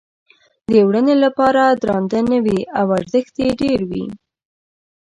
د وړنې لپاره درانده نه وي او ارزښت یې ډېر وي.